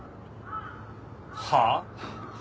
はあ？